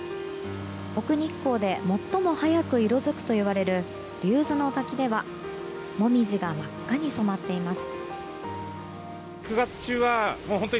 奥日光で最も早く色づくといわれる竜頭ノ滝ではモミジが真っ赤に染まっています。